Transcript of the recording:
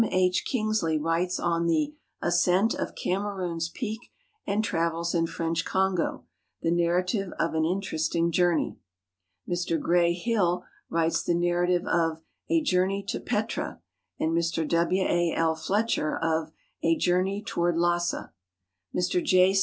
H. Kingsley writes on the "Ascent of Cameroons Peak and Travels in French Congo," the narrative of an in teresting journey. Mr Gray Hill writes the narrative of "A Journey to Petra," and Mr W. A. L. Fletcher of "A Journey Toward Llassa." Mr J.